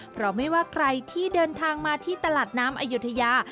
เพราะไม่ว่าใครที่เดินทางมาที่ตลาดน้ำอยุธยา